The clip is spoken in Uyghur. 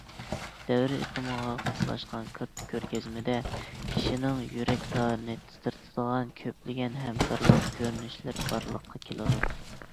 دەۋر ئېقىمىغا ماسلاشقان كاتتا كۆرگەزمىدە، كىشىنىڭ يۈرەك تارىنى تىترىتىدىغان كۆپلىگەن ھەمكارلىق كۆرۈنۈشلىرى بارلىققا كېلىدۇ.